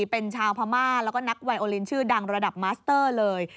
เป็นชาวพม่าแล้วก็นักไวโอลินชื่อดังระดับมัสเตอร์เลย